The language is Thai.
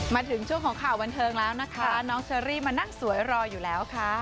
มาถึงช่วงของข่าวบันเทิงแล้วนะคะน้องเชอรี่มานั่งสวยรออยู่แล้วค่ะ